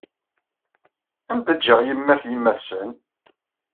Anda ǧǧiɣ yemma-t yemma-t-sen?